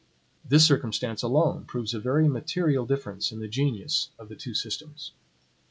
This circumstance alone proves a very material difference in the genius of the two systems.